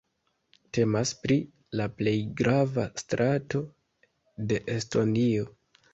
Temas pri la plej grava strato de Estonio.